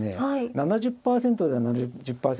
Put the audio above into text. ７０％では７０％